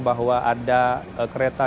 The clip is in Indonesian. bahwa ada kereta